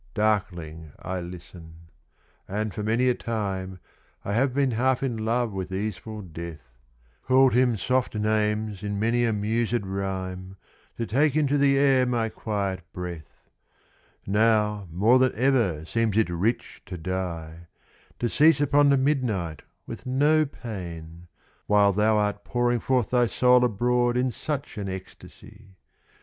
50 Darkling I listen; and for many a time I have been half in love with easeful Death, Called him soft names in many a musèd rhyme, To take into the air my quiet breath; Now more than ever seems it rich to die, 55 To cease upon the midnight with no pain, While thou art pouring forth thy soul abroad In such an ecstasy!